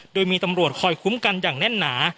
โดยมีตำรวจคอยคุ้มกันอย่างแน่นหนา